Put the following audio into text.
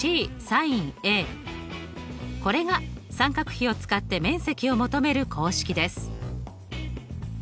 これが三角比を使って面積を求める公式です。